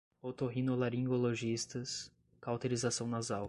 otorrinolaringologistas, cauterização nasal